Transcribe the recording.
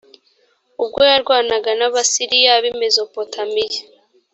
ubwo yarwanaga n abasiriya b i mezopotamiya